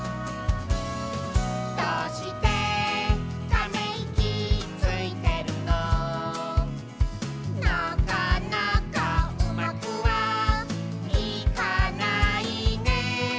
「どうしてためいきついてるの」「なかなかうまくはいかないね」